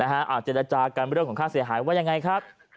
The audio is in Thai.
เจรจากันเรื่องของค่าเสียหายว่ายังไงครับ